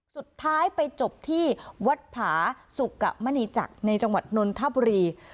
สุดท้ายไปจบที่วัดผาสุกมณีจักรในจังหวัดนนทบุรี